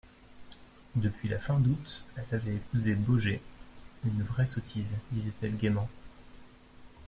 Depuis la fin d'août, elle avait épousé Baugé, une vraie sottise, disait-elle gaiement.